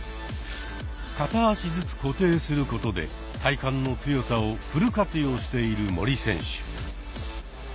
片足ずつ固定することで体幹の強さをフル活用している森選手。